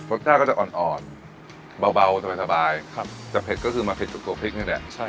รสชาติก็จะอ่อนอ่อนเบาสบายจะเผ็ดก็คือมาเผ็ดสุดตัวเผ็ดเนี่ยแหละ